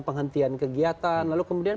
penghentian kegiatan lalu kemudian